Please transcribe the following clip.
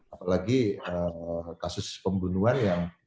apalagi kasus pembunuhan yang